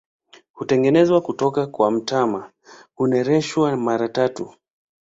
Hutengenezwa kutoka kwa mtama, hunereshwa mara tatu.